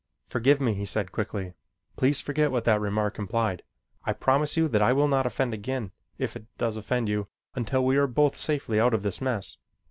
"Forgive me," he said quickly. "Please forget what that remark implied. I promise you that I will not offend again, if it does offend you, until after we are both safely out of this mess."